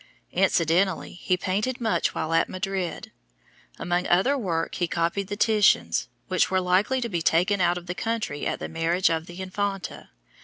Incidentally he painted much while at Madrid. Among other work he copied the Titians which were likely to be taken out of the country at the marriage of the Infanta.